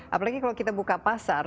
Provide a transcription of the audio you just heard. apalagi kalau kita buka pasar